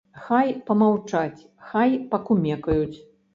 Хай памаўчаць, хай пакумекаюць.